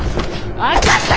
分かったか！